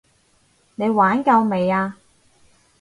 你玩夠未啊？